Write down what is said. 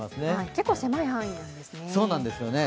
結構狭い範囲ですね。